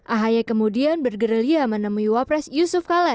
ahy kemudian bergerilia menemui wapres yusuf kala